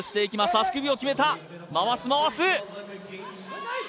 足首を決めた回す回す！